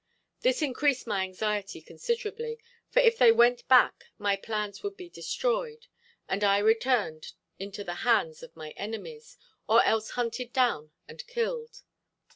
This increased my anxiety considerably, for if they went back my plans would be destroyed and I returned into the hands of my enemies, or else hunted down and killed.